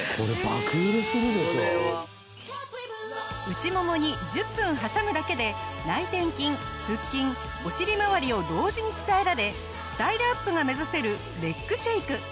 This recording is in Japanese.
内ももに１０分挟むだけで内転筋腹筋お尻まわりを同時に鍛えられスタイルアップが目指せるレッグシェイク。